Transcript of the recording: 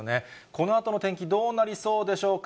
このあとの天気、どうなりそうでしょうか。